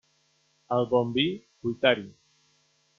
Al bon vi, cuitar-hi.